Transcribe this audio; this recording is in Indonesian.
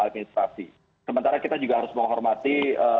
administrasi sementara kita juga harus menghormati